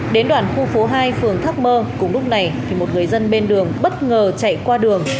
đến đoàn khu phố hai phường thác mơ cùng lúc này thì một người dân bên đường bất ngờ chạy qua đường